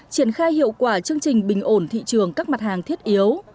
triển khai hiệu quả chương trình bình ổn thị trường các mặt hàng thiết yếu